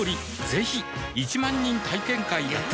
ぜひ１万人体験会やってます